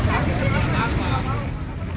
saya tidak tahu kenapa saya disini